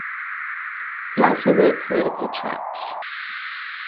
He also wrote political tracts.